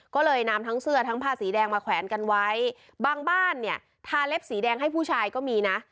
ก็เลยนำทั้งเสื้อทั้งผ้าสีแดงมาแขวนกันไว้บางบ้านเนี่ยทาเล็บสีแดงให้ผู้ชายก็มีนะ